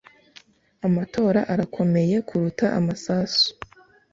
Amatora arakomeye kuruta amasasu